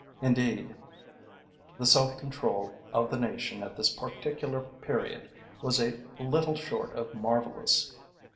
Indeed the self control of the nation at this particular period was a little short of marvellous.